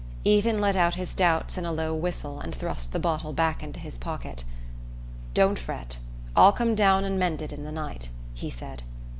Ethan let out his doubts in a low whistle and thrust the bottle back into his pocket. "Don't fret; I'll come down and mend it in the night," he said.